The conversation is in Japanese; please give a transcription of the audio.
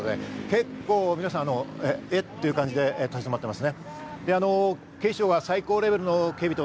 結構皆さん、え？っていう感じで立ちどまってます。